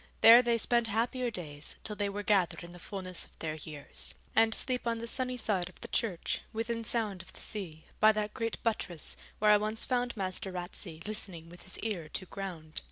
There they spent happier days, till they were gathered in the fullness of their years; and sleep on the sunny side of the church, within sound of the sea, by that great buttress where I once found Master Ratsey listening with his ear to ground.